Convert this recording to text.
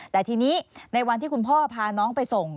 แต่ทีนี้ในวันที่คุณพ่อพาน้องไปส่ง